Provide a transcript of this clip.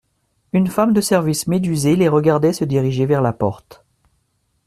Une femme de service médusée les regardait se diriger vers la porte.